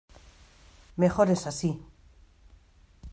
¡ mejor es así!...